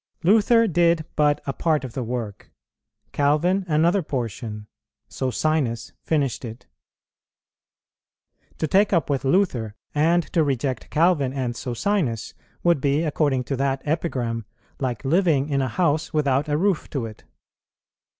Luther did but a part of the work, Calvin another portion, Socinus finished it. To take up with Luther, and to reject Calvin and Socinus, would be, according to that epigram, like living in a house without a roof to it.